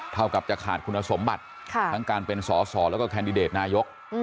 เท่ากับจะขาดคุณสมบัติทั้งการเป็นสอสอแล้วก็แคนดิเดตนายก